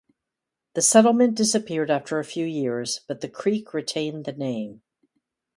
The settlement disappeared after a few years, but the creek retained the name.